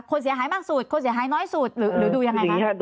คนเสียหายมากสุดคนเสียหายน้อยสุดหรือดูยังไงคะ